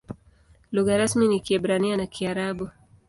Lugha rasmi ni Kiebrania na Kiarabu.